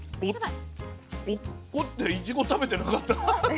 落っこっていちご食べてなかった。